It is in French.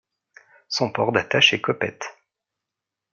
Son port d'attache est Coppet.